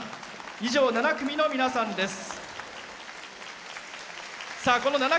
以上、７組の皆さんです。